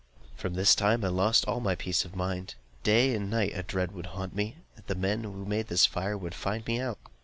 From this time I lost all my peace of mind. Day and night a dread would haunt me, that the men who had made this fire would find me out.